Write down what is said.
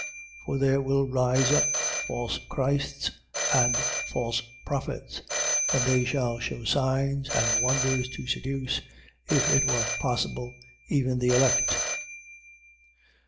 13:22. For there will rise up false Christs and false prophets: and they shall shew signs and wonders, to seduce (if it were possible) even the elect.